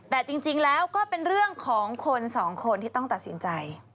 แต่จริงแล้วก็เป็นเรื่องของคนสองคนที่ต้องตัดสินใจ